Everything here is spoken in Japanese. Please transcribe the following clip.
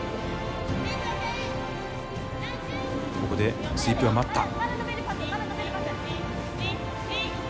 ここでスイープを待った。